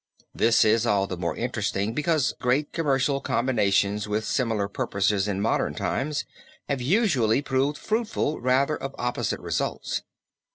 This is all the more interesting because great commercial combinations with similar purposes in modern times have usually proved fruitful rather of opposite results.